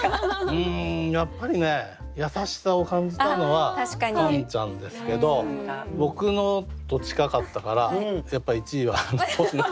うんやっぱりね優しさを感じたのはカンちゃんですけど僕のと近かったからやっぱ１位は星野さん。